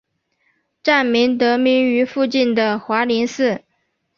站名得名于附近的华林寺。